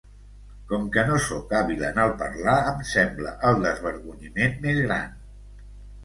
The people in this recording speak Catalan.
Com que no sóc hàbil en el parlar, em sembla el desvergonyiment més gran.